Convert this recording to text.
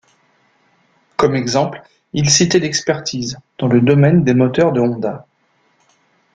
Comme exemple ils citaient l’expertise dans le domaine des moteurs de Honda.